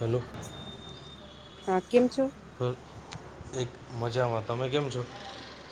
Hello હા કેમ છો? હહ એક મજામાં. તમે કેમ છો?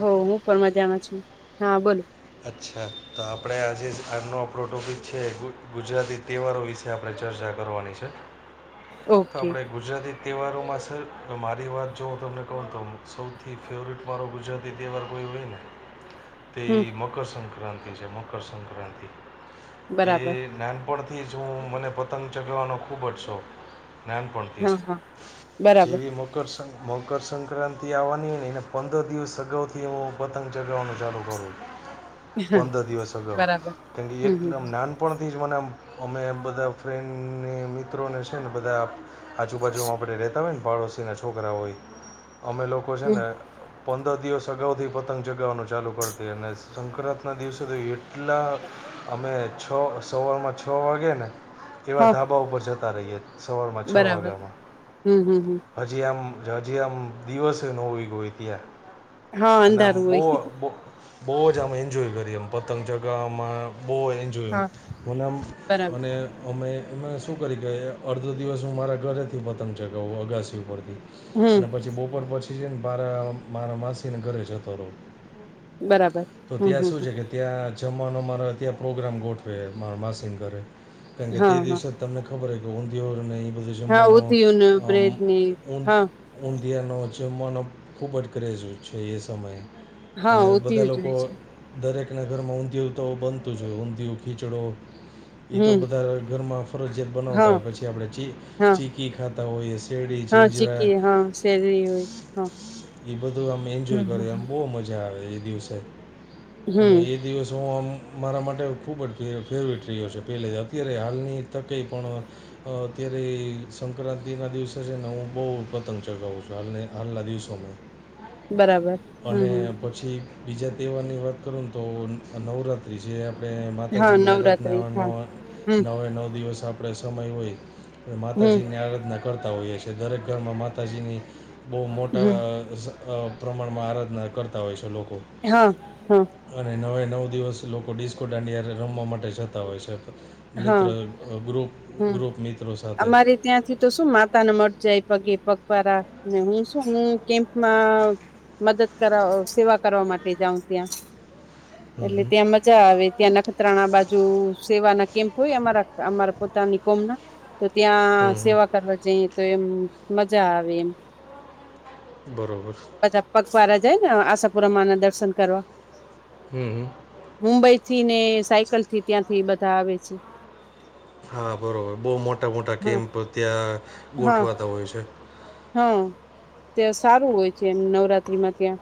હોવ હું પણ મજામાં છું. હહ બોલો અચ્છા તો આપડે આજે આજનો આપણો ટોપિક છે, ગુજ ગુજરાતી તહેવારો વિશે. તે આપણે ચર્ચા કરવાની છે. તો ઓકે આપણે ગુજરાતી તહેવારોમાં સર મારી વાત જો હું તમને કહું ને તો સૌથી ફેવરેટ મારો ગુજરાતી તહેવાર કોઈ હોય ને તે હમ ઈ મકરસક્રાંતિ છે, મકરસંક્રાંતિ. એ બરાબર નાન પણથી જ હું મને પતંગ ચગાવવાનો ખૂબ જ શોખ. નાન પણથી હા જ. હા બરાબર જેવી મકરસંક મકરસંક્રાંતિ આવવાની હોય ને એને પંદર દિવસ અગાઉથી હું પતંગ ચગાવવાનું ચાલુ કરું. પંદર દિવસ અગાઉ. બરાબર કારણ કે હમ એટલ હમ એમ નાન પણથી જ મને આમ અમે બધા ફ્રેન્ડને મિત્રોને છે ને બધા આજુબાજુમાં આપણે રહેતા હોય ને પાડોશીના છોકરા હોય. અમે લોકો છે હમ ને પંદર દિવસ અગાઉથી પતંગ ચગાવવાનું ચાલુ કર દઈ અને સંક્રાંતના દિવસે તો એટ લા અમે છ સવારમાં છ વાગે ને એવા હા ધાબા ઉપર ચડ ચડતા રહીએ. સવારમાં છ બરાબર વાગામાં. હમ હમ હમ હજી આમ હજી આમ દિવસે ન ઊયગો હોય ત્યાં. હા અને આમ અંધારું બહુ હોય બો બહુ જ આમ એન્જોય કરી એમ પતંગ ચગાવામાં બહુ એન્જ જોય હા આમ અને આમ બરાબર અને અમે એમાં શું કરી કે અડધો દિવસ હું મારા ઘરેથી પતંગ ચગાવું અગાસી ઉપરથી. હમ અને પછી બપોર પછી છેને મારા મારા માસીના ઘરે જતો રહું. બરાબર તો હમ ત્યાં હમ શું છે, કે ત્યાં જમવાનું અમારા ત્યાં પ્રોગ્રામ ગોઠવે માર માસીન ઘરે. કારણ કે હા તે હા દિવસે તો તમને ખબર હોય કે ઊંધીયો ને એ બધું હા જમવાનું ઉધયું ને આમ બ્રેડ ને હા [inaudible] ઊંધિયાનો જમવાનો ખૂબ જ ક્રેઝ હોય છે એ સમયે હા અને બધા ઉધયું લોક જોય છે દરેકના ઘરમાં ઊંધિયું તો બનતું જ હોય ઊંધિયું, ખીચડો. ઈ તો હમ બધા ઘરમાં ફરજીયાત બનાવતા હા હોય, પછી આપણે ચી હા ચી કી ખાતા હોઈએ. શેરડી, હા જિંજરા ચીકી હા શેરડી હોય હા ઈ બધું આમ હમ એન્જોય કરે આમ હમ બહુ મજા આવે એ દિવસે. અને એ હમ દિવસ હું આમ અમારા માટે ખૂબ જ ફે ફેવરિટ રહ્યો છે પહેલે અત્યારે હાલની તકે પણ અત્યારે સંક્રાંતિના દિવસે છે, ને હું બહુ પતંગ ચગાવું છું હાલને હાલના દિવસોમાં. બરાબર. હમ અને હમ પછી બીજા તહેવારની વાત કરું ને તો નવરાત્રી છે. આપણે હા માતાજીની આરાધના નવરાત્રી ઓનો હા હમ નવે નવ દિવસ આપણે સમય હોય. હમ માતાજીની આરાધના કરતા હોઈએ છીએ. દરેક ઘરમાં માતાજીની બહુ મોટા હમ અ પ્રમાણમાં આરાધના કરતા હોય છે લોકો. એ હહ હહ અને નવે નવ દિવસ લોકો ડીસ્કો દાંડિયા રમવા માટે જતા હોય છે. મિત્ર હા ગ્રુપ. હમ, ગ્રુપ મિત્રો સાથે અમારે ત્યાંથી તો શું માતાને મત જાય પગે પગપાળાને હું શ. હું કેમ્પમાં મદદ કરવા, સેવા કરવા માટે જાઉ ત્યાં. હં એટલે હં ત્યાં મજા આવે ત્યાં નખત્રાણા બાજુ, સેવાના કેમ્પ હોય અમારા અમારા નીકોમ ના, તો ત્યાં હં સેવા હં કરવા જઈ તો એમ મજા આવે એમ, બરાબર. પાછા પગપાળા જાય ને આશાપુરા માઁ ના દર્શન કરવા. હમ હ. મુંબઈ થી ને સાયકલ થી ત્યાં થી બધા આવે છે. હા! બરોબર. બહુ મોટા મોટા હા કેમ્પ ત્યાં હા ગોઠવાતા હોય છે. હા! તે સારું હોય છે એમ નવરાત્રીમાં ત્યાં.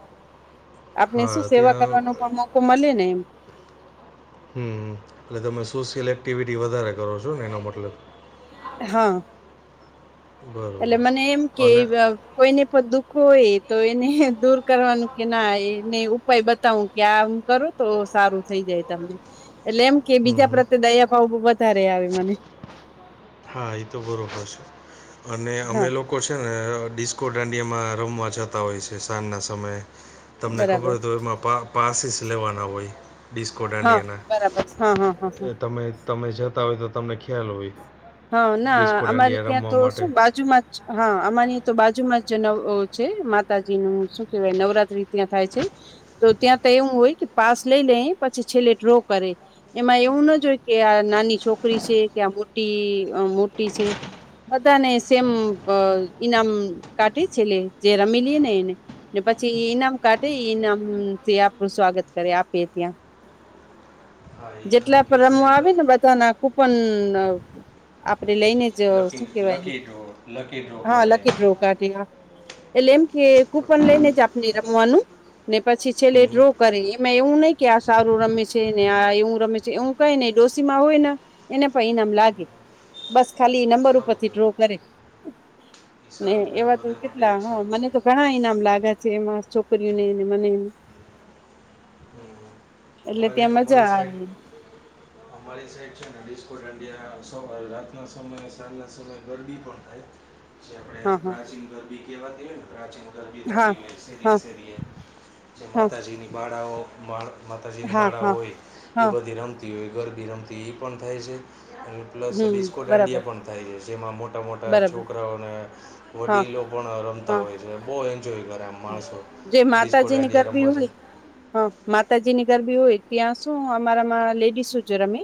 આપને હા શું સેવા ત્યાં કરવાનો પણ મોકો મળે ને એમ. હમ! એટલે તમે સોશિયલ એક્ટિવિટી વધારે કરો છો ને, એનો મતલબ. હા. એટલે બરોબર મને એમ કે, અને કોઈને પણ દુઃખો હોય, તો એને દૂર કરવાનું કે ના એને ઉપાય બતાવું. કે આમ કરો તો સારું થઈ જાય તમને. એટલે એમ કે હં બીજા હં પ્રત્યે દયા ભાવ ત્યારે આવે મને. હા! એ તો બરોબર છે. અને અમે હા લોકો લોકો છે ને ડીસ્કો દાંડિયામાં રમવા જતા હોય છે, સાંજ ના સમયે. તમને બરાબર ખબર તો એમાં પારર પાસીસ લેવાના હોય. ડિસ્કો હા દાંડિયાના. બરાબર હા હા હા હા એ તમે તમે જતા હોય તો તમને ખ્યાલ હોય. હા, ના ડિસ્કો અમારે દાંડિયા ત્યાં રમવા તો માટે શું બાજુમાં હા! અમારી તો બાજુમાં જ નવ છે માતાજી નું, શું કેવાય? નવરાત્રી ત્યાં થાય છે. તો ત્યાં તો એવું હોય, કે પાસ લઈ લે પછી છેલ્લે ડ્રો કરે. એમાં એવું ના જોય કે આ નાની છોકરી છે, કે આ મોટી મોટી છે. બધાને સેમ અ ઈનામ કાઢે છેલ્લે જે રમી લે ને એને. ને પછી ઈનામ કાઢે ઈનામથી આપણું સ્વાગત કરે આપે ત્યાં. હા એ તમે જેટલા પણ કહો છો એ રમવા આવે ને બધાના કુપન આપડે લઈને, લકી શું કેવાય? લકી ડ્રો લકી ડ્રો હા! કહેવાય લકી એને ડ્રો. એટલે એમ, કે કુપન લઈને જ આપણી રમવાનું, ને પછી છેલ્લે હમ ડ્રો કરે એમાં એવું નહી કે આ સારું રમે છે, ને આ હ રમે છે એવું કઈ નઈ ડોશી માં હોય ને, એને પણ ઈનામ લાગે. બસ ખાલી ઈ નંબર સારું ઉપરથી ડ્રો કહેવાય કરે. [inaudible] ને કહેવાય એવા તો બધા માટે કેટલા એક હા સરખું મને તો ઘણા ઈનામ લાગ્યા છે, એમાં છોકરીઓને ને મને. હમ. એટલે અમારે ત્યાં મજા અમારી સાઈડ આવે. અમારી સાઈડ છે ને રાતના સમય સાજના સમય ગરબી પણ થાય. આપણે હા પ્રાચીન ગરબી કેવાતી હોય ને પ્રાચીન ગરબી થતી હા હા હોય શેરીએ હા શેરીએ. જે હા માતાજીની બાળાઓ માતાજીની હા બાળાઓ હા હોય હા એ બધી રમ હોય ઘરબી રમતી એ પણ થાય છે અને પ્લસ હમ ડિસ્કો બરાબર દાંડિયા પણ થાય છે જેમાં મોટા મોટા બરાબર છોકરાઓ અને હા વડીલો પણ રમતા હા હોય છે બહુ એન્જોય કરે માણસો જે ડિસ્કો માતાજીની દાંડિયા ગરબી રમવા છે હોય. હા માતાજીની ઘર બી હોય ત્યાં શું અમારામાં લેડીસું છે રમે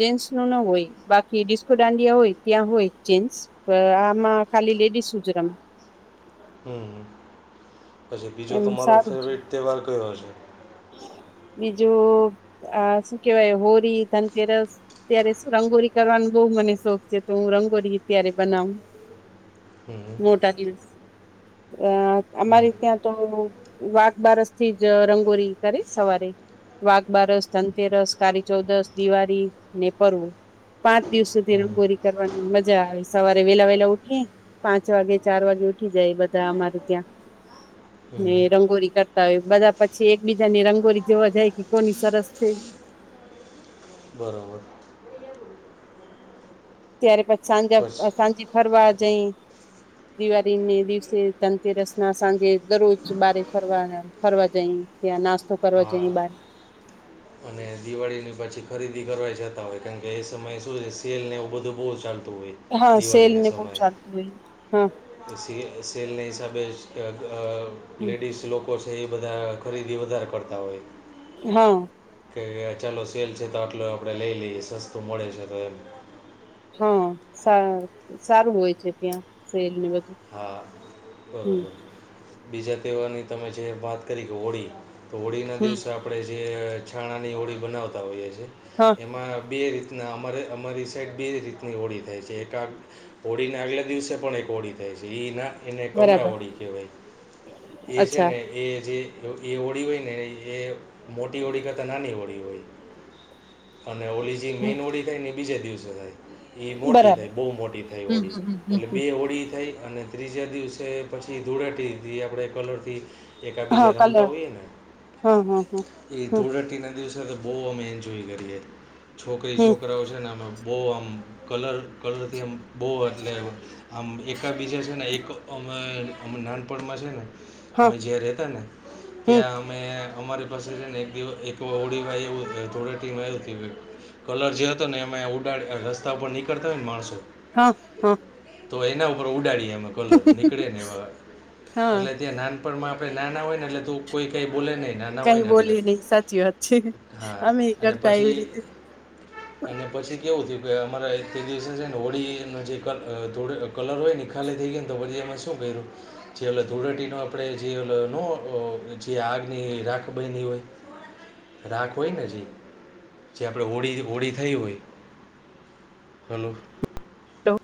જેન્ટ્સ ના હોય બાકી ડિસ્કો દાંડિયા હોય ત્યાં હોય જેન્ટ્સ આમાં ખાલી લેડીસ જ રમે હમ પછી બીજો એમ તમારો સારું છે ફેવરેટ તહેવાર કયો છે? બીજું આ શું કેવાય હોળી, ધનતેરસ અત્યારે શું રંગોળી કરવાનો બહુ મને શોખ છે તો હું રંગોળી અત્યારે બનાવ. [inaudible] [unintelligible] મોટા દિવસ અ અમારે હમ ત્યાં તો વાઘબારસથી જ રંગોળી કરે સવારે વાઘ બારસ, ધનતેરસ, કાળી ચૌદસ દિવાળીને પરવું પાંચ દિવસ સુધી હમ રંગોળી કરવાની મજા આવે સવારે વેલા વેલા ઉઠી પાંચ વાગે ચાર વાગે ઉઠી જાય બધા અમારે ત્યાં ને હમ રંગોલી કરતા હોય બધા પછી એક બીજાની રંગોળી જોવા જાય કે કોની સરસ છે બરાબર. ત્યારે પછી પછી સાંજા સાંજે ફરવા જઈ. દિવાળીને દિવસે ધનતેરસ ના સાંજે દરરોજ બારે ફરવાના ફરવા જઈએ નાસ્તો કરવા હા જઈએ બહાર અને દિવાળીની પાછી ખરીદી કરવા જતા હોય કારણ કે એ સમયે શું છે સેલને એવું બધું બહુ ચાલતું હોય. હા દિવાળીના સેલને સમયે બહચાાલતું હોય હા. સેલના હિસાબે લેડીઝ લોકો છે એ બધા ખરીદી વધારે કરતા હોય. હા. કે ચાલો સેલ છે તો આટલો આપણે લઈ લઈએ સસ્તું મળે છે તો એને હા સારું હોય છે ત્યાં સેલ ને બધું હા. હમ બરોબર બીજા તહેવારની તમે જે વાત કરી કે હોળી તો હોળીના હમ દિવસે આપણે આપણેે જે છાણાની હોળી બનાવતા હોઈએ હા. એમાં બે રીતના અમારે અમારી સાઈડ બે રીતની હોળી થાય છે એક આ ઓળી ના આગલા દિવસે પણ એક હોળી થાય છે એ ના એને કમળા બરાબર ઓળી કહેવાય એ છે અચ્છા ને એ જે એ ઓળી હોય ને એ મોટી હોળી કરતા નાની હોળી હોય. અને હોળી જે હમ મેઈન હોળી થાય અને બીજા દિવસે થાય. એ મોટી બરાબર થઈ બહુ મોટી થઈ હમ હોળી હમ એટલે બે હોળી થઈ અને ત્રીજા દિવસે પછી ધોળટી દીધી આપણે કલરથી એકા હા બીજા રમતા કલર હોઈએ ને હા હા હા એ હમ ધૂળટીના દિવસે તો બહુ અમે એન્જોય કરીએ. છોકરી હમ છોકરાઓ છે ને અમે બહુ આમ કલર કલરથી આમ બધા એટલે આમ એકબીજા છે ને એક અમે અ નાનપણમાં છે ને હા અમે જ્યા રહેતા ને હમ ત્યાં અમે અમારે ને એકિવ [inaudible] ઓડીાઈ [inaudible] [unintelligible] એ થોડ ટીમ કલર જે હતો ને એમાં ઉડાડ રસ્તા પર નીકળતા હોય ન માણસો હ હ. તો એના ઉપર ઉડાડી એ અમે કલર નીકળે ને. એ બધા હા એટલે ત્યાં નાન પણ માં આપડે નાના હોય ને. એટલે તો પણ કોઈ કઈ બોલે નઈ નાના કઈ હોયને. એટલે બોલી નહી સાચી વાત છે હા અમે અને કરતા એવી પછી [inaudible] રીતે અને પછી કેવું થયું કે અમારે તે દિવસે છે ને હોળી ન જે કલ જોડે કલર હોય ને ખાલી થઈ ગયો ન તો પછી અમે સુ કર્યું? જે આગળ ધૂળેટી ન આપણે જે ઓ ન જે આગની રાખ બનતી હોઈ. રાખ હોય ને જે જે આપણે હોળી હોળી થઈ હોય. હલો. તો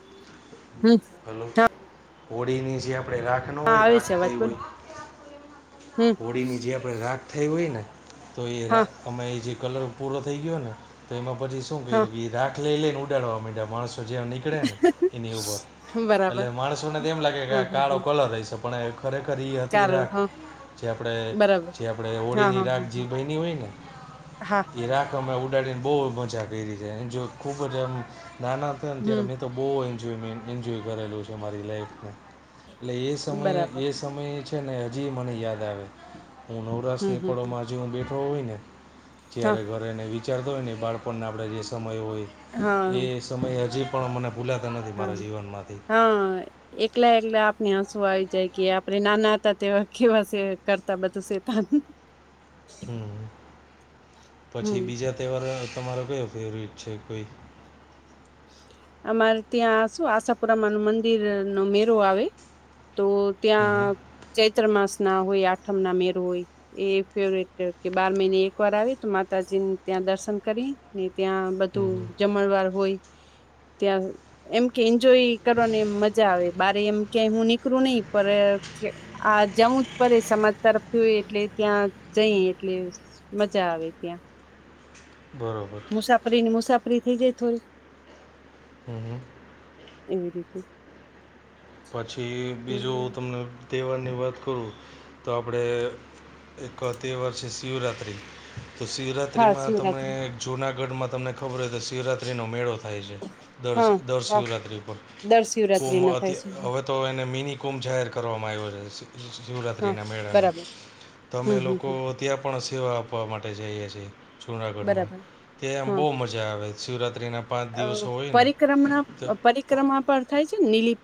હમ હલો હા હોળી ની જે આપણેે રાખ ન હા હોય આવે રાખ છે અવાજ થઈ બોલો હોય હમ હોળીની જે આપણે રાખ થઈ હોય ને તો એ રા હા અમે એ જે કલર પૂરો થઈ ગયો ને તો એમાં પછી સ શું કર્યું તું હા એ રાખ લઈ લઈન ઉડાડવા માંડ્યા માણસો જ્યાં ની કળેને એની ઉપર બરાબર એટલે માણસોને તો એમ લાગે કે હા આ હા કાળો હા કલર અસે પણ એક ખરેખર એ હતી ચાલો રાખ હા જે આપડે બરાબર જે આપડે હા હોળીની હા રાખ હા હા જી બયની હોય ને હા એ રાખ અમે ઉડાડીને બહુ મજા કરી છે એન જો ખૂબ જ અમ નાના હતા ને ત્યાર હમ અમેં તો બહુ એન્જોયમેં એન્જોય કરેલું છે મારી લાઈફ મા એટલે એ સમય બરાબર એ સ મયે છે ને હજી મને યાદ આવે હું નવરાસ હમ ની હમ પળો હમ માં જે હું બેઠો હોય ને હા ત્યારે ઘરેને વિચારતો હોય ને બાળપણને આપણે જે સમય હોય હા એ સમય હજી પણ મને ભૂલાતા નથી હા મારા જીવનમાંથી હા એકલા એકલા આપણે આસું આવી જાય કે આપણે નાના હતા તેવા કેવા સે કરતા બધું શેતાન [inaudible] હમ પછી હમ બીજા તહેવાર તમારો કયો ફેવરિટ છે કોઈ અમાર ત્યાં શું આશાપુરા માંનું મંદિર નો મેરો આવે તો હમ હમ ત્યાં ચૈત્ર માસ ના હોય આઠમ ના મેરો હોય એ ફેવરેટ કે બાર મહિને એક વાર આવે તો માતાજી ન ત્યાં દર્શન કરી ને ત્યાં હમ બધું હમ જમણ વાર હોય ત્યાં એમ કે એન્જોય કરવાની મજા આવે બારે એમ ક્યાંય હું નીકળું નહી પર ક્ય આ જવું જ પડે સમાજ તરફથી એટલે ત્યાં જઈ એટલે મજા આવેે ત્યા બરોબર મુસાફરી ની મુસાફરી થઇ જાય થોડી હમ હમ એવી રીતે પછી બીજો હું તમને તહેવારની વાત કરું તો આપડે એક તેહવાર છે શિવરાત્રી તો હા શિવરાત્રીમાં તમે શિવરાત્રી જૂનાગઢમાં તમને ખબર હોય તો શિવરાત્રીનો મેળો થાય છે દસ હા દર હા શિવરાત્રી પર દર કોમ શિવરાત્રી ના થાય અત્યા છે તો એને મિની કુંભ જાહેર કરવામાં આવ્યો રહે છે. હા શિવરાત્રીના મેળાને બરાબર તો અમે હમ હમ લોકો હમ ત્યાં પણ સેવા આપવા માટે જઈએ છીએ જુનાગઢમાં બરાબર ત્યા આમ હા બહુ મજા આવે શિવરાત્રીના પાંચ દિવસો હોય ને પરિક્રમણા તો પરિક્રમા પર થાય છે નીલીપ.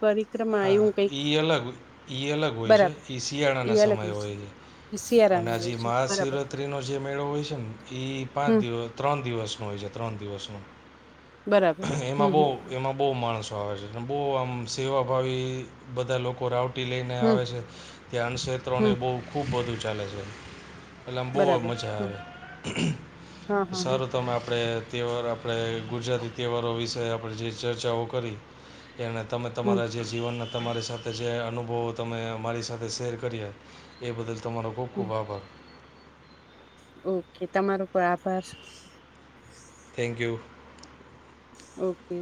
હા ઈ અલગ ઈ અલગ હોય છે બરાબર એ શિયાળાના સમયે હોય છે. અને શિયાળાના આવે હજી છે બરાબર મહાશિવરા ત્રીનો જે મેળો હોય છે ને એ હમ પાંચ દિવસ ત્રણ દિવસનો હોય છે ત્રણ દિવસનો. બરાબર એમાં હમ બહુ હમ એમાં બહુ માણસો આવે છે અને બહુ આમ સેવાભાવી બધા લોકો રાવ ટી લઈને હમ આવે છે ત્યાં હમ અન્નક્ષેત્રોની બહુ ખૂબ બધું ચાલે છે. પેલા આમ બહુ બરાબર મજા હ આવે હા હા હ સારું. તમે આપણે તહેવાર આપણે ગુજરાતી તહેવારો વિશે આપણે જે ચર્ચાઓ કરી. એને તમે હમ તમારા જે. જીવનના તમારી સાથે જે અનુભવો તમે અરી સાથે શેર કરીએ એ બદલ તમારો. ખૂબ હમ ખૂબ આભાર ઓકે તમારો પણ આભાર. થેન્કયુ. ઓકે.